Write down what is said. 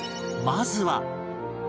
まずは